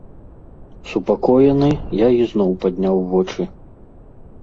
Супакоены, я ізноў падняў вочы.